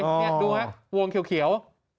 นี่ดูฮะวงเขียว